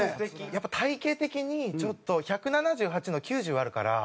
やっぱ体形的にちょっと１７８の９０はあるから。